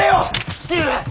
父上！